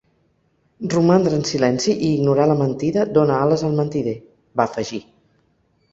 “Romandre en silenci i ignorar la mentida dóna ales al mentider”, va afegir.